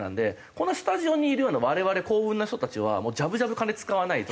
このスタジオにいるような我々幸運な人たちはジャブジャブ金使わないと。